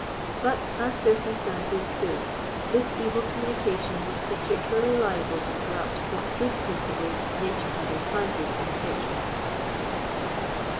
But, as circumstances stood, this evil communication was particularly liable to corrupt what good principles nature had implanted in the patron.